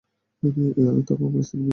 এই আলতাফ, আমার স্ত্রী-মেয়ে ওখানে।